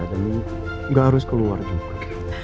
tapi gak harus keluar juga